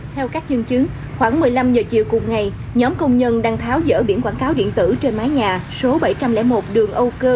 theo các dương chứng khoảng một mươi năm h chiều cùng ngày nhóm công nhân đang tháo dỡ biển quảng cáo điện tử trên mái nhà số bảy trăm linh một đường âu cơ